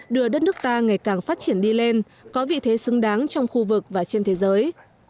đưa đất nước ta ngày càng phát triển đi lên có vị thế xứng đáng trong khu vực và trên thế giới